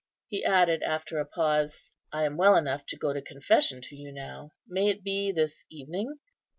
He added, after a pause, "I am well enough to go to confession to you now. May it be this evening?"